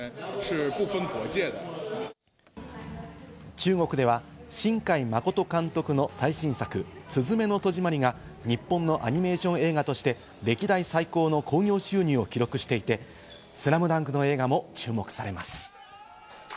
中国では新海誠監督の最新作『すずめの戸締まり』が日本のアニメーション映画として、歴代最高の興行収入を記録していて、『ＳＬＡＭＤＵＮＫ』の映画も注目されます。